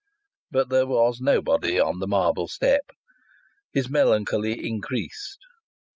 But there was nobody on the marble step. His melancholy increased.